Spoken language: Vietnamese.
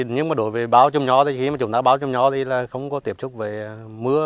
nhưng đối với bao trùm nhó thì khi chúng ta bao trùm nhó thì không có tiếp xúc với mưa